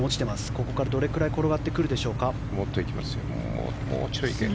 ここからどれくらい転がってくるでしょうか。